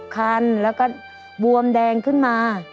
คันแล้วก็บวมแดงขึ้นมา